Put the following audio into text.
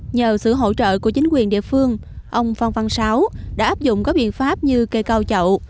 nhờ sự hỗ trợ của chính quyền địa phương ông phan văn sáu đã áp dụng các biện pháp như cây cao chậu